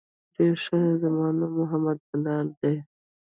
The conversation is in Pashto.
ډېر ښه زما نوم محمد بلال ديه.